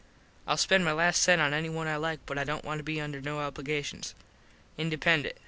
Ill spend my last sent on anyone I like but I dont want to be under no obligations. Independent.